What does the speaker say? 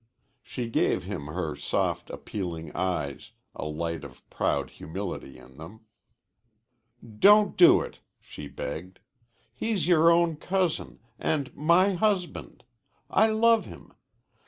She gave him her soft, appealing eyes, a light of proud humility in them. "Don't do it!" she begged. "He's your own cousin and my husband. I love him.